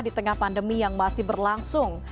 di tengah pandemi yang masih berlangsung